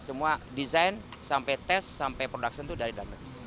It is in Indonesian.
semua desain sampai tes sampai production itu dari dalam negeri